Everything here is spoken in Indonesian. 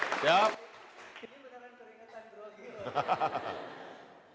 ini beneran teringatan bro girol ya